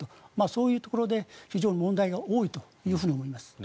そういうところで非常に問題が多いと思います。